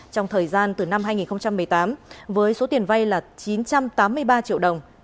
trong thời gian từ năm hai nghìn một mươi tám với số tiền vay là chín trăm tám mươi ba triệu đồng